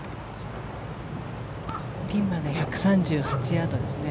ピンまで１３８ヤードですね。